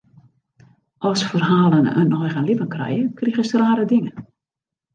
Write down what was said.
As ferhalen in eigen libben krije, krigest rare dingen.